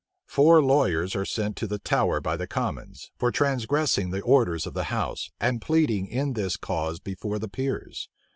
Four lawyers are sent to the Tower by the commons, for transgressing the orders of the house, and pleading in this cause before the peers.